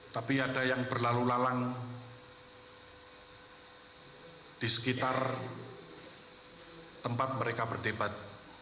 tapi ada yang berlalu lalang di sekitar tempat mereka berdebat